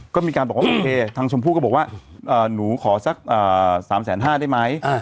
ก็มีการบอกว่าโอเคทางชมพูก็บอกว่าอ่าหนูขอสักอ่าสามแสนห้าได้ไหม